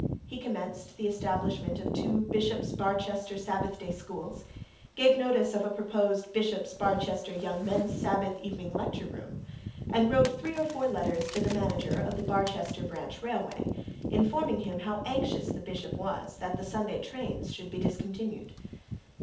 He commenced the establishment of the 'Bishop of Barchester's Sabbath day Schools,' gave notice of a proposed 'Bishop of Barchester Young Men's Sabbath Evening Lecture Room,' and wrote three or four letters to the manager of the Barchester branch railway, informing him how anxious the bishop was that the Sunday trains should be discontinued.